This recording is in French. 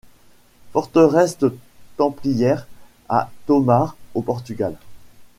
Forteresse templière à Tomar au Portugal.